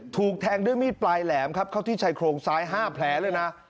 ถูกแทงด้วยมีดปลายแหลมครับเข้าที่ชายโครงซ้าย๕แผลเลยนะ